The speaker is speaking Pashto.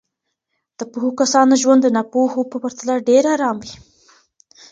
د پوهو کسانو ژوند د ناپوهو په پرتله ډېر ارام وي.